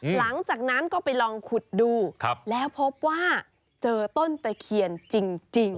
หลังจากนั้นก็ไปลองขุดดูแล้วพบว่าเจอต้นตะเคียนจริง